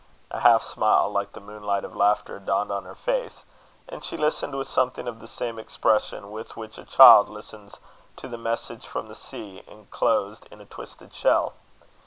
A half smile, like the moonlight of laughter, dawned on her face; and she listened with something of the same expression with which a child listens to the message from the sea, inclosed in a twisted shell.